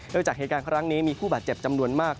โดยจากเหตุการณ์ครั้งนี้มีผู้บาดเจ็บจำนวนมาก